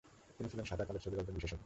তিনি ছিলেন সাদা-কালো ছবির একজন বিশেষজ্ঞ।